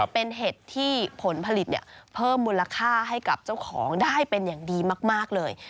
เป็นเห็ดที่ผลผลิตเพิ่มมูลค่าให้กับเจ้าของได้เป็นอย่างดีมากเลย